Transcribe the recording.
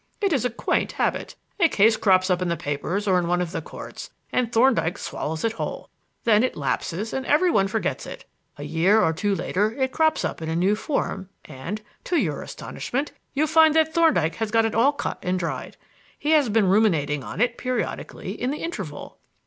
It is a quaint habit. A case crops up in the papers or in one of the courts, and Thorndyke swallows it whole. Then it lapses and every one forgets it. A year or two later it crops up in a new form, and, to your astonishment, you find that Thorndyke has got it all cut and dried. He has been ruminating on it periodically in the interval.